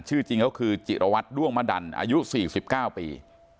อ่าชื่อจริงเขาคือจิระวัตรด้วงมะดันอายุสี่สิบเก้าปี